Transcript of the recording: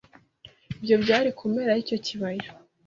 Ibyo byari ku mpera y'icyo kibaya